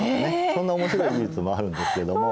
そんな面白い事実もあるんですけれども。